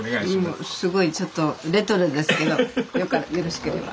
もうすごいちょっとレトロですけどよろしければ。